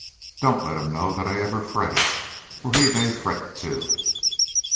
Don't let him know that I ever fretted, or he may fret too."